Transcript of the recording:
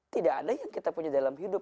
tidak ada yang kita punya dalam hidup